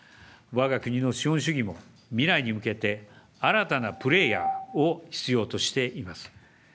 わが国の資本主義も未来に向けて、新たなプレーヤーを必要としています。